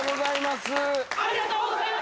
ありがとうございます。